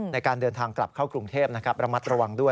ในการเดินทางกลับเข้ากรุงเทพนะครับระมัดระวังด้วย